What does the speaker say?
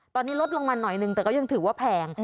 ตอนนี้ลดลงมาหน่อยนึงแต่ก็ยังถือว่าแพง